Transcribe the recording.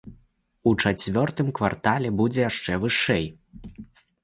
У чацвёртым квартале будзе яшчэ вышэй.